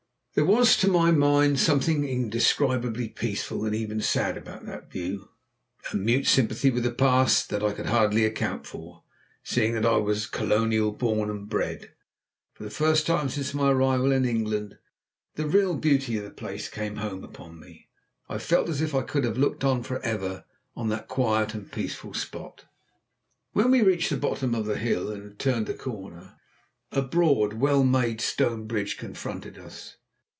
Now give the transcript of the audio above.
There was to my mind something indescribably peaceful and even sad about that view, a mute sympathy with the Past that I could hardly account for, seeing that I was Colonial born and bred. For the first time since my arrival in England the real beauty of the place came home upon me. I felt as if I could have looked for ever on that quiet and peaceful spot. When we reached the bottom of the hill, and had turned the corner, a broad, well made stone bridge confronted us.